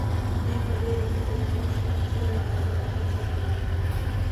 دوی په ډېر احترام ښکته تلل او عبادت یې کاوه.